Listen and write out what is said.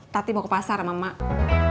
tapi mau ke pasar sama emak